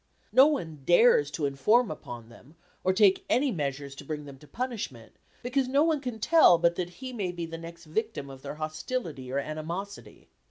No one dares to inform upon them, or take any measures to bring them to punishment, because no one can tell but that he may be the next victim of their hostility or animosity.